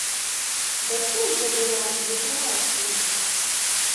Да чым жа бо нам і затрымаць плыт?